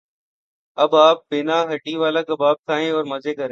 اب آپ بینا ہڈی والا کباب کھائیں اور مزے کریں